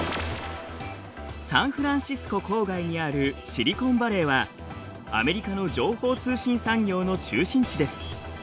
サンフランシスコ郊外にあるシリコンヴァレーはアメリカの情報通信産業の中心地です。